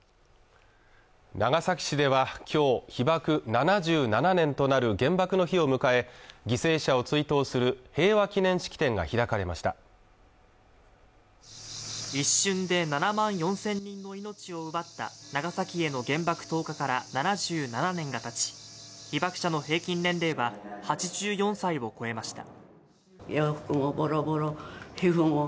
長崎市ではきょう被爆７７年となる原爆の日を迎え犠牲者を追悼する平和祈念式典が開かれました一瞬で７万４０００人の命を奪った長崎への原爆投下から７７年がたち被爆者の平均年齢は８４歳を超えました